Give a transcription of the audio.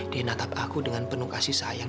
di natap aku dengan penuh kasih sayang